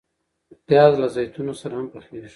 پیاز له زیتونو سره هم پخیږي